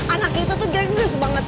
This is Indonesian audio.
anak itu tuh gangres banget